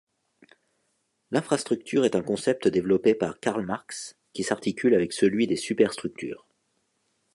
L'infrastructure est un concept développé par Karl Marx qui s'articule avec celui des superstructures.